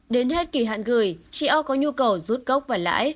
đến hết kỳ hạn gửi chị o có nhu cầu rút cốc và lãi